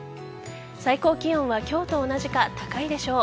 最高気温は今日と同じか高いでしょう。